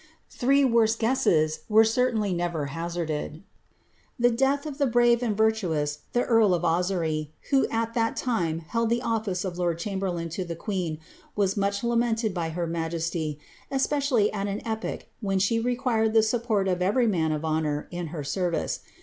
^' Three worse gues^ses were certainly never hazarded. The death of the brave and virtuous earl of Ossory, who at that tim held the oince of lord chamberlain to the queen, was much lamentad hf her majesty, especially at an epoch when she required the anpport d every man of honour in her sen'ice.